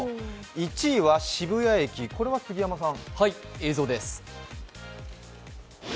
１位は渋谷駅、これは杉山さん。